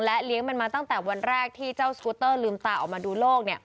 เลี้ยงมันมาตั้งแต่วันแรกที่เจ้าสกูเตอร์ลืมตาออกมาดูโลก